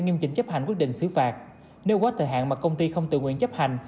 nghiêm chỉnh chấp hành quyết định xứ phạt nếu quá thời hạn mà công ty không tự nguyện chấp hành